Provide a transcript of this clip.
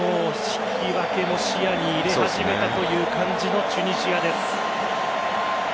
引き分けも視野に入れ始めたという感じのチュニジアです。